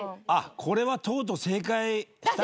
これはとうとう正解きたかも。